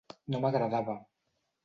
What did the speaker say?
No m'agradava.